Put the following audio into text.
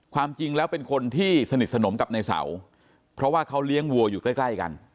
ความจริงแล้วเป็นคนที่สนิทสนมกับในเสาเพราะว่าเขาเลี้ยงวัวอยู่ใกล้ใกล้กัน